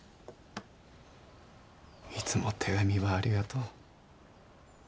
いつも手紙ばありがとう。